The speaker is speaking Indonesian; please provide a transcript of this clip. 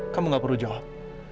kamu gak perlu jawab